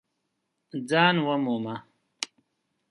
ځان ومومه !